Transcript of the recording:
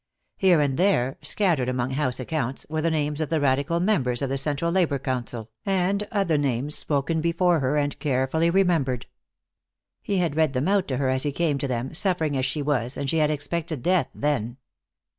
Here and there, scattered among house accounts, were the names of the radical members of The Central Labor Council, and other names, spoken before her and carefully remembered. He had read them out to her as he came to them, suffering as she was, and she had expected death then.